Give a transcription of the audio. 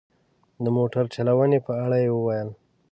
د موټر چلونې په اړه یې وویل.